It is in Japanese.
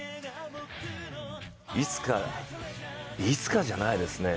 いつか、いつかじゃないですね。